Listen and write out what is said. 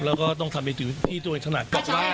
แล้วก็ต้องทำในที่ตัวเองถนัด